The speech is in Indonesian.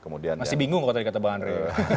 masih bingung kok tadi kata pak andri